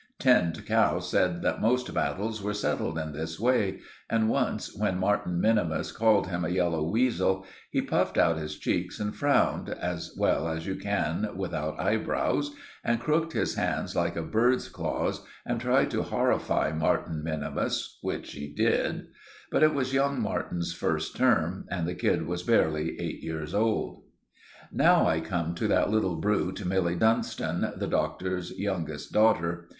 Tinned Cow said that most battles were settled in this way; and once, when Martin minimus called him a yellow weasel, he puffed out his cheeks and frowned, as well as you can without eyebrows, and crooked his hands like a bird's claws and tried to horrify Martin minimus, which he did; but it was young Martin's first term, and the kid was barely eight years old. Now I come to that little brute Milly Dunstan, the Doctor's youngest daughter.